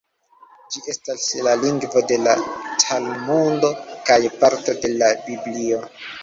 Ĝi estas la lingvo de la Talmudo kaj parto de la Biblio.